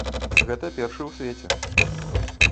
Гэта першы ў свеце.